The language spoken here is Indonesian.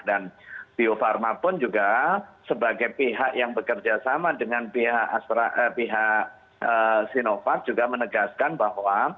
dan bio farma pun juga sebagai pihak yang bekerja sama dengan pihak sinovac juga menegaskan bahwa